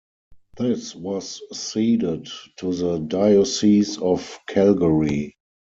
This was ceded to the Diocese of Calgary.